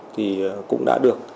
thì cũng đã được